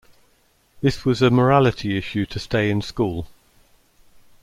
This was a morality issue to stay in school.